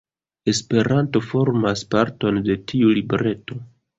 Esperanto formas parton de tiu libreto.